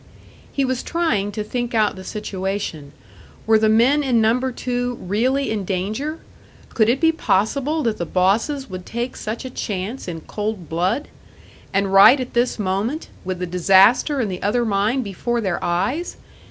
He was trying to think out the situation. Were the men in Number Two really in danger? Could it be possible that the bosses would take such a chance in cold blood? And right at this moment, with the disaster in the other mine before their eyes!